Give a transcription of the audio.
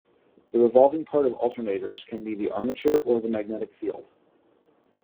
The revolving part of alternators can be the armature or the magnetic field.